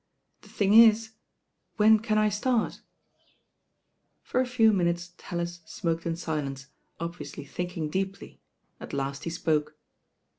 The thing is when can I start?" For a few minutes Tallis smoked in silence, obvi ously thinking deeply, at last he spoke.